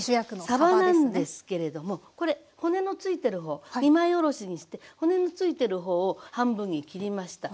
さばなんですけれどもこれ骨の付いてる方二枚おろしにして骨の付いてる方を半分に切りました。